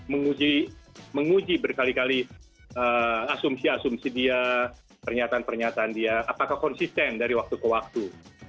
menguji berkali kali asumsi asumsi dia pernyataan pernyataan dia apakah konsisten dari waktu ke waktu